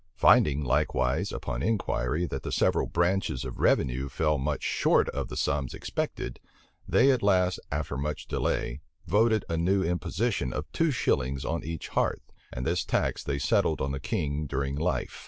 Finding, likewise, upon inquiry, that the several branches of revenue fell much short of the sums expected, they at last, after much delay, voted a new imposition of two shillings on each hearth; and this tax they settled on the king during life.